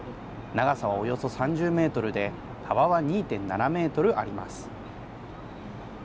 長さおよそ３０メートルで、幅は２．７メートルあります。